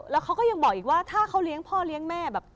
แล้วเขาก็ยังบอกอีกว่าถ้าเขาเลี้ยงพ่อเลี้ยงแม่แบบ